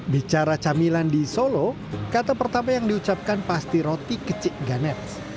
bicara camilan di solo kata pertama yang diucapkan pasti roti kecik ganets